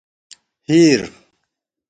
ہیر